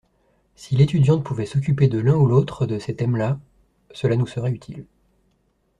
Si l’étudiante pouvait s’occuper de l’un ou l’autre de ces thèmes-là cela nous serait utile.